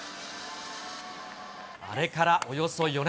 あれからおよそ４年。